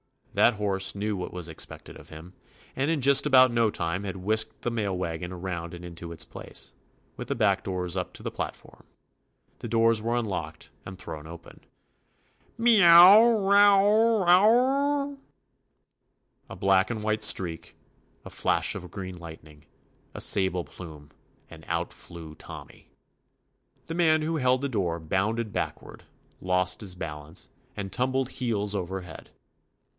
That horse knew what was expected of him, and in just about no time had whisked the mail wagon around and into its place, with the back doors up to the platform. The doors were unlocked and thrown open. "Merow rrw wow woooow I" A black and white streak, a flash of green lightning, a sable plume, and out flew Tommy I The man who held 75 THE ADVENTURES OF the door bounded backward, lost his balance, and tumbled heels over head.